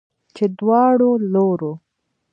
چې دواړو لورو